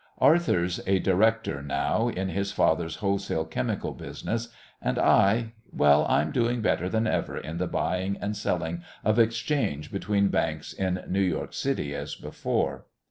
Arthur's a director now in his father's wholesale chemical business, and I well, I'm doing better than ever in the buying and selling of exchange between banks in New York City as before.